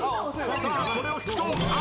さあこれを引くとあ！